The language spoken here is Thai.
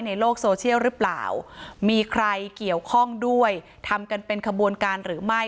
ในโลกโซเชียลหรือเปล่ามีใครเกี่ยวข้องด้วยทำกันเป็นขบวนการหรือไม่